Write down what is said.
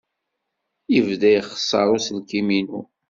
Yebda ixeṣṣer uselkim-inu.